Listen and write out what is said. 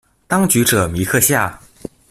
當局者迷克夏